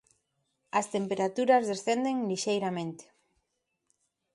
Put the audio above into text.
As temperaturas descenden lixeiramente.